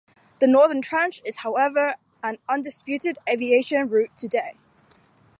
The northern trench is however an undisputed aviation route today.